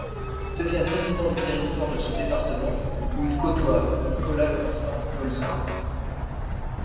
Il devient président du directoire de son département, où il côtoie Nicolas Constant Golzart.